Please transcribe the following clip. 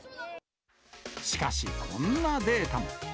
しかし、こんなデータも。